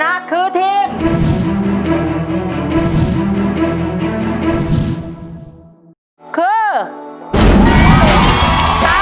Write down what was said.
ยิ่งเสียใจ